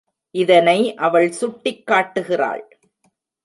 இதனை அவள் சுட்டிக் காட்டுகிறாள்.